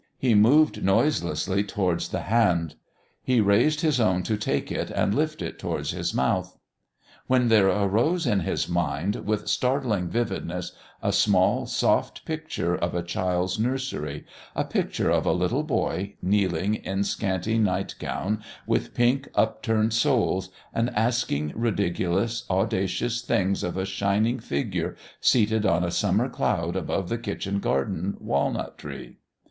He moved noiselessly towards the Hand. He raised his own to take it and lift it towards his mouth When there rose in his mind with startling vividness a small, soft picture of a child's nursery, a picture of a little boy, kneeling in scanty night gown with pink upturned soles, and asking ridiculous, audacious things of a shining Figure seated on a summer cloud above the kitchen garden walnut tree.